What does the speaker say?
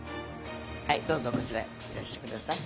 はいどうぞこちらへいらしてください。